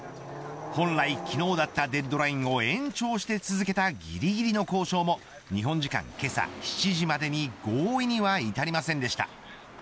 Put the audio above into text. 本来昨日だったデッドラインを延長して続けたぎりぎりの交渉も日本時間けさ７時までに合意には至りませんでした。